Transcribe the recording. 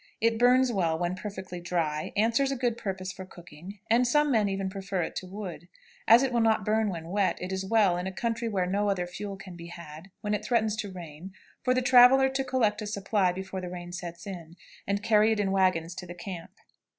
It burns well when perfectly dry, answers a good purpose for cooking, and some men even prefer it to wood. As it will not burn when wet, it is well, in a country where no other fuel can be had, when it threatens to rain, for the traveler to collect a supply before the rain sets in, and carry it in wagons to the camp.